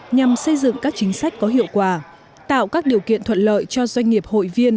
nhằm xây dựng các chính sách có hiệu quả tạo các điều kiện thuận lợi cho doanh nghiệp hội viên